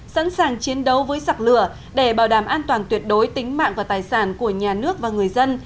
sẵn sàng chiến đấu với sặc lửa để bảo đảm an toàn tuyệt đối tính mạng và tài sản của nhà nước và người dân